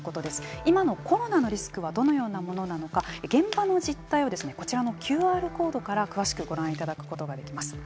今のコロナのリスクはどのようなものなのか現場の実態はこちらのＱＲコードから詳しくご覧いただくことができます。